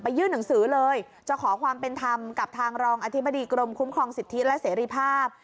ยื่นหนังสือเลยจะขอความเป็นธรรมกับทางรองอธิบดีกรมคุ้มครองสิทธิและเสรีภาพ